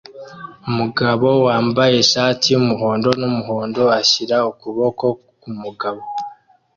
Umugabo wambaye ishati yumuhondo numuhondo ashyira ukuboko kumugabo